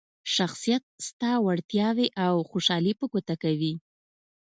شخصیت ستا وړتیاوې او خوشحالي په ګوته کوي.